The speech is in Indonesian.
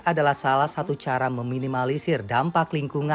adalah salah satu cara meminimalisir dampak lingkungan